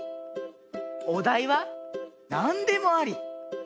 おだいはなんでもあり。